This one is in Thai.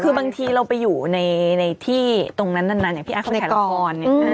คือบางทีเราไปอยู่ในที่ตรงนั้นนานอย่างพี่อาร์เขาถ่ายละคร